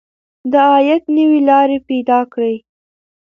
د عاید نوې لارې پیدا کړئ.